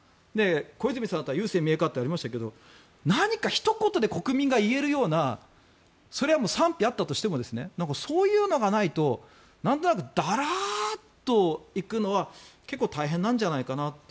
小泉さんだったら郵政民営化とかがありましたけど何かひと言で国民が言えるようなそれは賛否あったとしてもそういうのがないとなんとなくダラーッといくのは結構大変なんじゃないかなと。